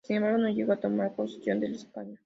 Sin embargo, no llegó a tomar posesión del escaño.